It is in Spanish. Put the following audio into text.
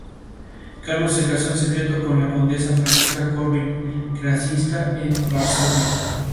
Carlos se casó en secreto con la condesa Francisca Corvin-Krasinska en Varsovia.